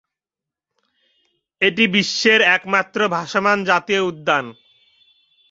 এটি বিশ্বের একমাত্র ভাসমান জাতীয় উদ্যান।